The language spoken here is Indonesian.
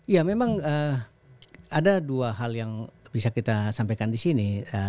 ya memang ada dua hal yang bisa kita sampaikan di sini